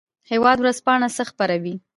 هیواد ورځپاڼه څه خپروي؟